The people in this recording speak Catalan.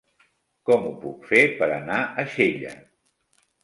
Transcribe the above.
Com ho puc fer per anar a Xella?